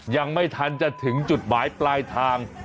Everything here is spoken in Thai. ยังไม่ทันจะถึงจุดหมายปลายทาง